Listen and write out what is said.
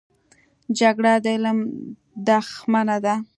جګړه د علم دښمنه ده